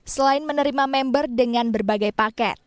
selain menerima member dengan berbagai paket